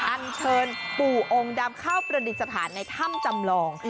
อันเชิญปู่องค์ดำเข้าประดิษฐานในถ้ำจำลอง